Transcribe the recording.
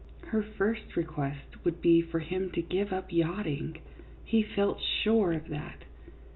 Her first request would be for him to give up yachting, he felt sure of that.